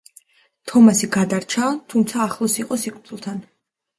თომასი გადარჩა, თუმცა ახლოს იყო სიკვდილთან.